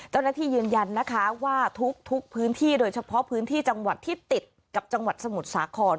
ยืนยันนะคะว่าทุกพื้นที่โดยเฉพาะพื้นที่จังหวัดที่ติดกับจังหวัดสมุทรสาคร